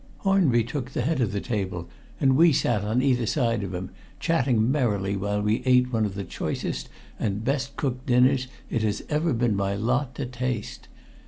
Hornby took the head of the table, and we sat on either side of him, chatting merrily while we ate one of the choicest and best cooked dinners it has ever been my lot to taste.